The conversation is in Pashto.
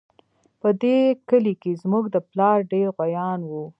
په دې کلي کې زموږ د پلار ډېر غويان وو